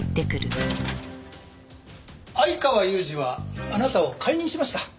相川裕治はあなたを解任しました。